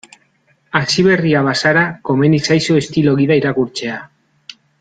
Hasiberria bazara, komeni zaizu estilo gida irakurtzea.